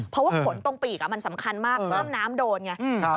เพราะว่าขนตรงปีกมันสำคัญมากน้ำน้ำโดนอย่างนี้